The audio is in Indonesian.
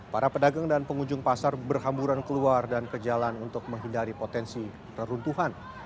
para pedagang dan pengunjung pasar berhamburan keluar dan ke jalan untuk menghindari potensi reruntuhan